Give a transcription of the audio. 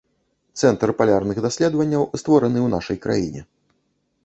Цэнтр палярных даследаванняў створаны ў нашай краіне.